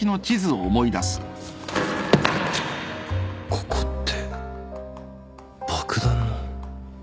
ここって爆弾の